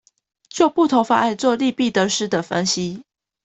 就不同方案作利弊得失的分析